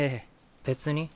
別に。